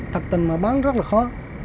thật tình mà bán rất là khó